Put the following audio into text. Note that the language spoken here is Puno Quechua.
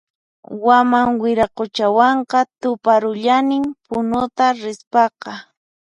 Waman Wiraquchawanqa tuparullanin Punuta rispaqa